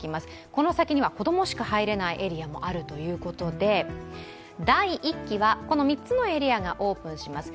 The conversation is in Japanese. この先には子供しか入れないエリアもあるということで第１期はこの３つのエリアがオープンします。